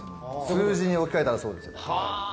数字に置き換えるとそうですね。